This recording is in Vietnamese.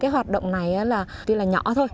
hoạt động này tuy là nhỏ thôi